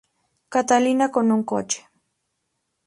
Catalina con un coche.